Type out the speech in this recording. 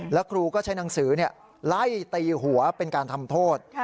แล้วครูก็ใช้หนังสือไล่ตีหัวเป็นการทำโทษ